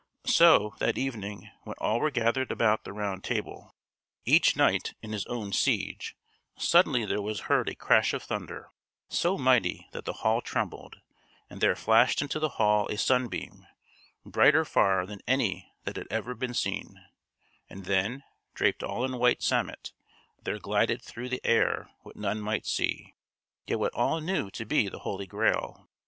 So, that evening, when all were gathered about the Round Table, each knight in his own siege, suddenly there was heard a crash of thunder, so mighty that the hall trembled, and there flashed into the hall a sunbeam, brighter far than any that had ever before been seen; and then, draped all in white samite, there glided through the air what none might see, yet what all knew to be the Holy Grail.